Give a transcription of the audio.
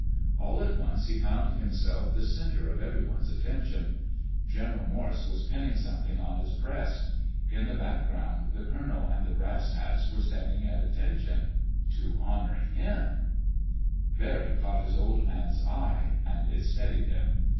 All at once he found himself the center of everyone's attention. General Morse was pinning something on his breast. In the background the colonel and the brass hats were standing at attention—to honor him. Barry caught his Old Man's eye, and it steadied him.